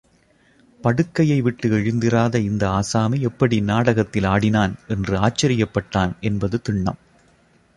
படுக்கையை விட்டு எழுந்திராத இந்த ஆசாமி எப்படி நாடகத்தில் ஆடினான் என்று ஆச்சரியப்பட்டான் என்பது திண்ணம்.